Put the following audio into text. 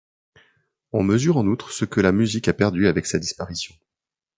On mesure en outre ce que la musique a perdu avec sa disparition.